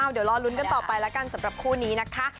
เดี๋ยวรอลุ้นกันต่อไปแล้วกันสำหรับคู่นี้นะคะ